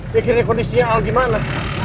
pikirin kondisinya al gimana